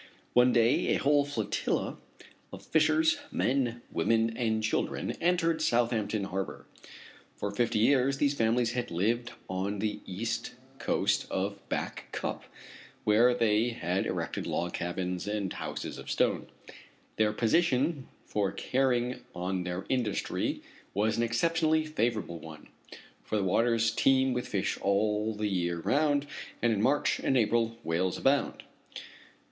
One day a whole flotilla of fishers, men, women and children, entered Southampton Harbor. For fifty years these families had lived on the east coast of Back Cup, where they had erected log cabins and houses of stone. Their position for carrying on their industry was an exceptionally favorable one, for the waters teem with fish all the year round, and in March and April whales abound.